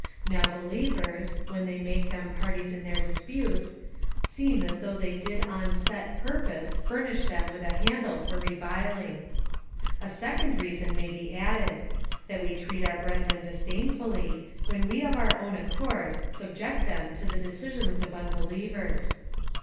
Now believers, when they make them parties in their disputes, seem as though they did on set purpose furnish them with a handle for reviling. A second reason may be added — that we treat our brethi en disdain fully, when we of our own accord subject them to the deci 4pns of unbelievers.